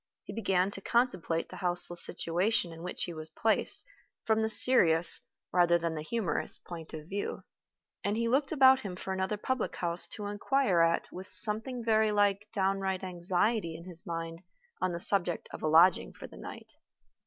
He began to contemplate the houseless situation in which he was placed from the serious rather than the humorous point of view, and he looked about him for another public house to inquire at with something very like downright anxiety in his mind on the subject of a lodging for the night.